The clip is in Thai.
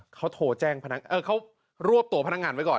เค้าโทรแจ้งเออเค้ารวบตัวพนักงานไว้ก่อน